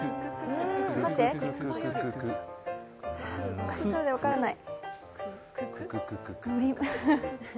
分かりそうで分からない。